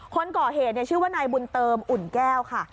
คนก่อเหตุชื่อว่านายบุญเติมอุ่นแก้วค่ะ